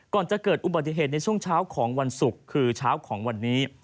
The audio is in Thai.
ก่อนจะเกิดอุบัติเหตุในช่วงเช้าของวันศุกร์คือเช้าของวันนี้